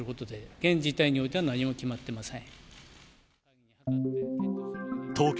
現時点においては何も決まっていません。